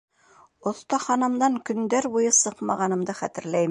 Оҫтаханамдан көндәр буйы сыҡмағанымды хәтерләйем.